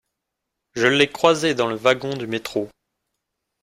Je l'ai croisée dans le wagon du métro.